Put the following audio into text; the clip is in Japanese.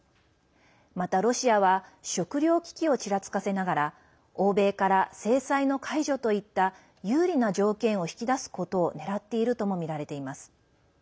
また、ロシアは食糧危機をちらつかせながら欧米から制裁の解除といった有利な条件を引き出すことをねらっているともみられています。